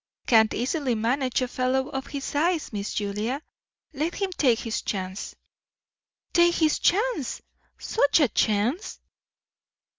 "Can't easily manage a fellow of his size, Miss Julia. Let him take his chance." "Take his chance! Such a chance!"